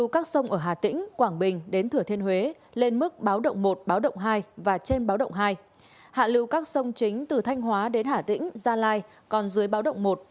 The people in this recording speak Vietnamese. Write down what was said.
các sông chính từ thanh hóa đến hả tĩnh gia lai còn dưới báo động một